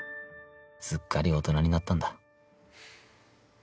すっかり大人になったんだ